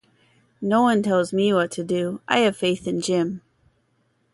No one tells me what to do, I have faith in Jim.